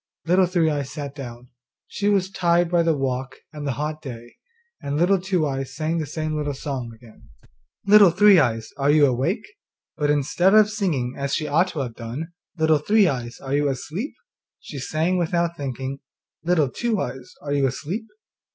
Little Three eyes sat down; she was tired by the walk and the hot day, and Little Two eyes sang the same little song again: 'Little Three eyes, are you awake?' but instead of singing as she ought to have done, 'Little Three eyes, are you asleep?' she sang, without thinking, 'Little Two eyes, are you asleep?